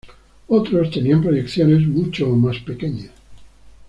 Otros tenían proyecciones mucho más pequeñas.